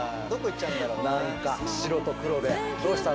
何か白と黒でどうしたの？